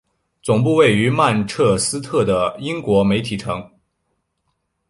总部位于曼彻斯特的英国媒体城。